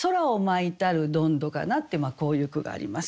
こういう句があります。